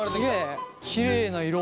きれいな色。